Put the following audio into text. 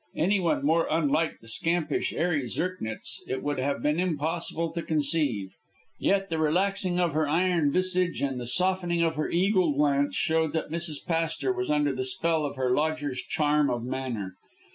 Anyone more unlike the scampish, airy Zirknitz it would have been impossible to conceive, yet the relaxing of her iron visage and the softening of her eagle glance showed that Mrs. Pastor was under the spell of her lodger's charm of manner.